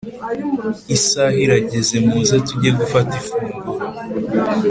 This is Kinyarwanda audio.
Isaha irageze muze tuge gufata ifunguro.